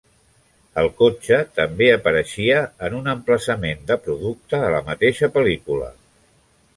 El cotxe també apareixia en un emplaçament de producte a la mateixa pel·lícula.